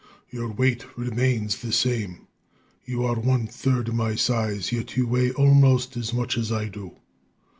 "Your weight remains the same. You are one third my size, yet you weigh almost as much as I do.